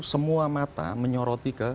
semua mata menyoroti ke